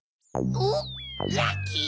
おっラッキー！